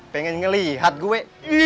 pengen ngelihat gue